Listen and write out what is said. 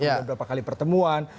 kemudian berapa kali pertemuan